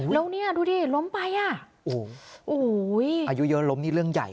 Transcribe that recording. แล้วเนี่ยดูดิล้มไปอ่ะโอ้โหอายุเยอะล้มนี่เรื่องใหญ่